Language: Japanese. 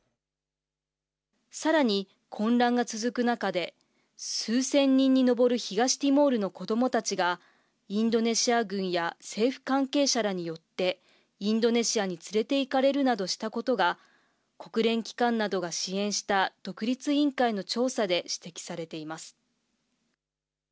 さらに混乱が続く中で、数千人に上る東ティモールの子どもたちが、インドネシア軍や政府関係者らによって、インドネシアに連れていかれるなどしたことが、国連機関などが支援した独立委員会の調査で指摘されています。